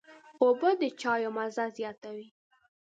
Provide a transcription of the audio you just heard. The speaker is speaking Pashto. اوبه د چايو مزه زیاتوي.